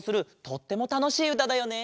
とってもたのしいうただよね。